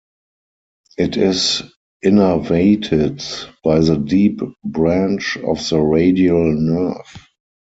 It is innervated by the deep branch of the radial nerve.